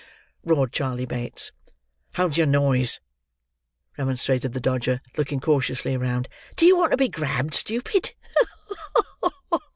"Ha! ha! ha!" roared Charley Bates. "Hold your noise," remonstrated the Dodger, looking cautiously round. "Do you want to be grabbed, stupid?"